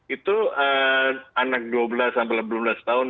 itu anak dua belas dua belas tahun